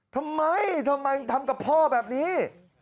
ทำไมทำกับพ่อแบบนี้